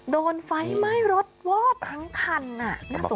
โดนไฟไหม้รถวอดทั้งคันน่ะน่าสงสาร